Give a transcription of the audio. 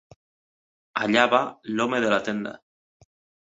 Allà va l'home de la tenda!